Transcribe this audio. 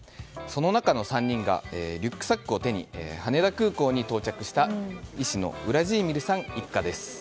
その中の３人がリュックサックを手に羽田空港に到着した医師のウラジーミルさん一家です。